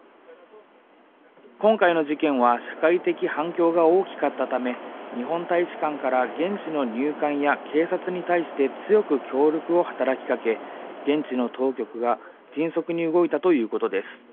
今回の事件は、社会的反響が大きかったため、日本大使館から現地の入管や警察に対して強く協力を働きかけ、現地の当局が迅速に動いたということです。